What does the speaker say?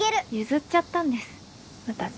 譲っちゃったんです私。